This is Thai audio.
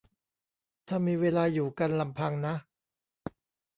ถ้ามีเวลาอยู่กันลำพังนะ